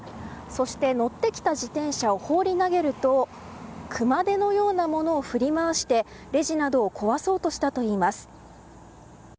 そして、乗ってきた自転車を放り投げると熊手のようなものを振り回してレジなどを壊そうとしたといいます。